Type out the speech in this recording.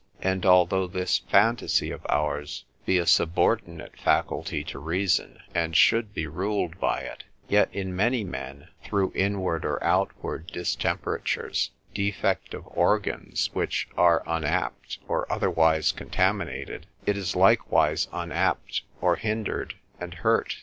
And although this phantasy of ours be a subordinate faculty to reason, and should be ruled by it, yet in many men, through inward or outward distemperatures, defect of organs, which are unapt, or otherwise contaminated, it is likewise unapt, or hindered, and hurt.